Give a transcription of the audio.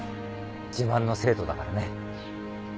自慢の生徒だからね。